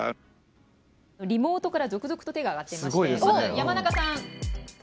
リモートから続々と手が挙がっていまして山中さん。